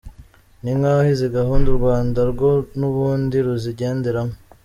Ni nk’aho izi gahunda u Rwanda rwo n’ubundi ruzigenderamo.